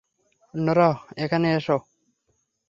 Norah, এখানে এসো!